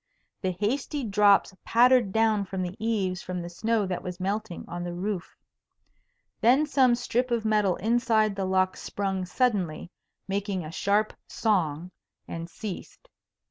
The hasty drops pattered down from the eaves from the snow that was melting on the roof. Then some strip of metal inside the lock sprung suddenly, making a sharp song, and ceased.